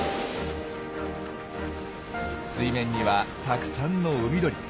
水面にはたくさんの海鳥。